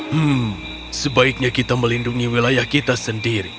hmm sebaiknya kita melindungi wilayah kita sendiri